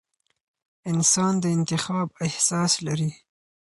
انسان د انتخاب احساس لري.